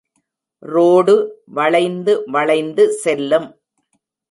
Road வளைந்து வளைந்து செல்லும்.